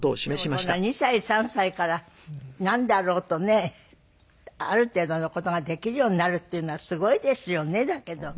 でもそんな２歳３歳からなんだろうとねある程度の事ができるようになるっていうのはすごいですよねだけど。